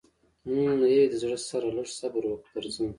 حم ای د زړه سره لږ صبر وکه درځم.